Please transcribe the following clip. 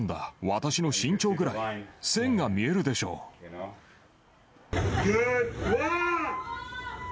私の身長ぐらい、線が見えるでしょう。